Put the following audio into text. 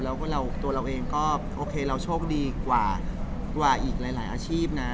แล้วตัวเราเองก็โอเคเราโชคดีกว่าอีกหลายอาชีพนะ